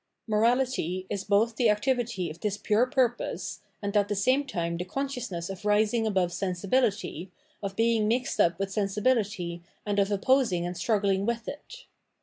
Morality is both the 632 Phenomenology of Mind activity of this pure purpose, aad at the same time the consciousness of rising above sensibility, of being mixed up with sensibility and of opposing and struggling with it.